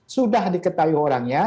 sudah diketahui orangnya